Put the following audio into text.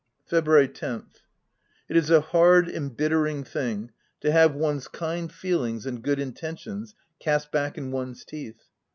February 10th. — It is a hard, embittering thing to have one's kind feelings and good intentions cast back in one's teeth.